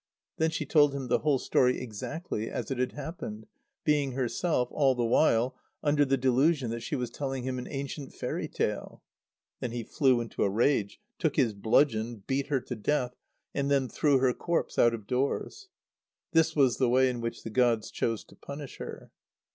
Then she told him the whole story exactly as it had happened, being herself, all the while, under the delusion that she was telling him an ancient fairy tale. Then he flew into a rage, took his bludgeon, beat her to death, and then threw her corpse out of doors. This was the way in which the gods chose to punish her.